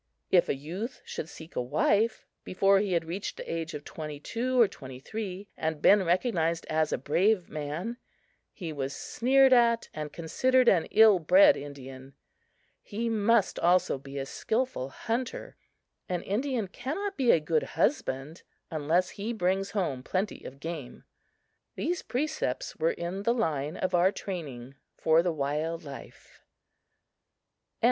If a youth should seek a wife before he had reached the age of twenty two or twenty three, and been recognized as a brave man, he was sneered at and considered an ill bred Indian. He must also be a skillful hunter. An Indian cannot be a good husband unless he brings home plenty of game. These precepts were in the line of our training for the wild life. III.